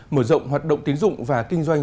mở rộng hoạt động tiến dụng và kinh doanh